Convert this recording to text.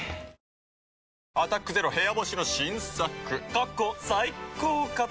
過去最高かと。